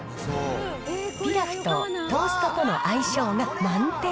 ピラフとトーストとの相性が満点。